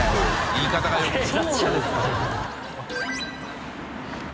言い方がよくない。